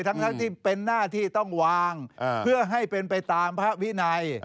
ทั้งที่เป็นหน้าที่ต้องวางเพื่อให้เป็นไปตามพระวินัย